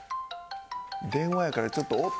電話やからちょっとおっ！